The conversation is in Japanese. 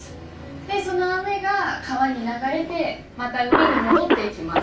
でその雨が川に流れてまた海に戻っていきます。